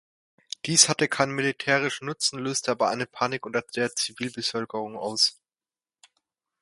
Dies hatte keinen militärischen Nutzen, löste aber eine Panik unter der Zivilbevölkerung aus.